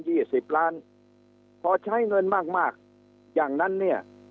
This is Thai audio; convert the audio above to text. สิบล้านพอใช้เงินมากมากอย่างนั้นเนี่ย